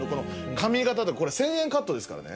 髪形とかこれ１０００円カットですからね。